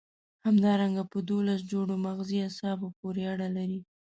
همدارنګه په دوولس جوړو مغزي عصبو پورې اړه لري.